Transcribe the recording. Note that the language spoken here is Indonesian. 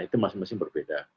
itu masing masing berbeda